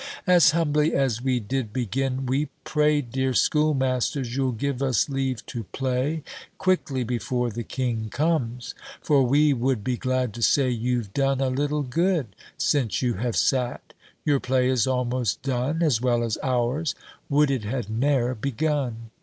As humbly as we did begin, we pray, Dear schoolmasters, you'll give us leave to play Quickly before the king comes; for we would Be glad to say you've done a little good Since you have sat: your play is almost done As well as ours would it had ne'er begun.